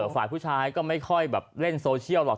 ฝ่ายผู้ชายก็ไม่ค่อยแบบเล่นโซเชียลหรอก